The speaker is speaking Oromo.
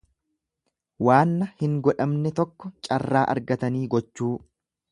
Waanna hin godhamne tokko carraa argatanii gochuu.